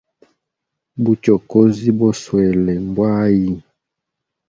Buchokozi boswele mbwa ayi?